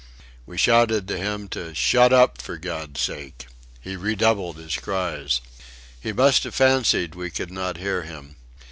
We shouted to him to "shut up, for God's sake." He redoubled his cries. He must have fancied we could not hear him.